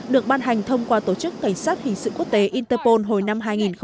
được ban hành thông qua tổ chức cảnh sát hình sự quốc tế interpol hồi năm hai nghìn một mươi